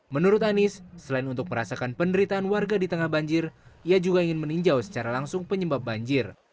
menurut anies selain untuk merasakan penderitaan warga di tengah banjir ia juga ingin meninjau secara langsung penyebab banjir